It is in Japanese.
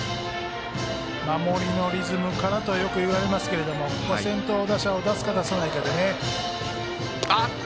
守りのリズムからとよく言われますが先頭打者を出すか出さないかで。